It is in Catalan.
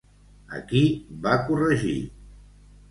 A qui va corregir?